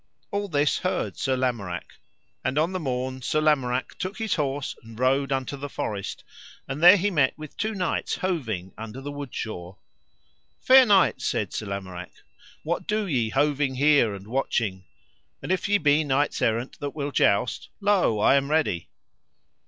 All this heard Sir Lamorak, and on the morn Sir Lamorak took his horse and rode unto the forest, and there he met with two knights hoving under the wood shaw. Fair knights, said Sir Lamorak, what do ye hoving here and watching? and if ye be knights errant that will joust, lo I am ready.